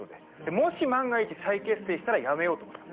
もし、万が一、再結成したらやめようと思ってたの。